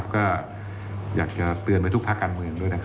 ก็อยากจะเตือนไปทุกพระการเมืองด้วย